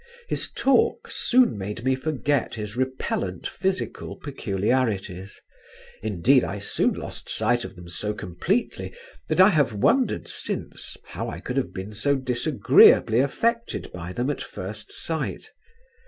His talk soon made me forget his repellant physical peculiarities; indeed I soon lost sight of them so completely that I have wondered since how I could have been so disagreeably affected by them at first sight.